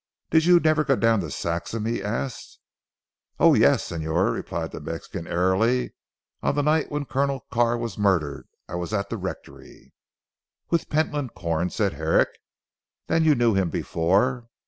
"Did you never go down to Saxham?" he asked. "Oh, yes, Señor," replied the Mexican airily "on the night when Colonel Carr was murdered, I was at the rectory." "With Pentland Corn," said Herrick, "then you knew him before?"